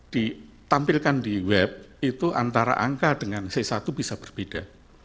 ditampilkan di web itu antara angka dengan c satu bisa berbeda